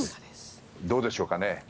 どうでしょうかね。